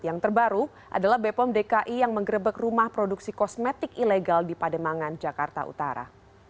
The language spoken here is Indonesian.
yang terbaru adalah bepom dki yang menggerebek rumah produksi kosmetik ilegal di pademangan jakarta utara